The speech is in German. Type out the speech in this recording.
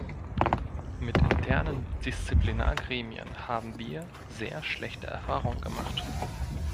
Mit internen Disziplinargremien haben wir sehr schlechte Erfahrungen gemacht.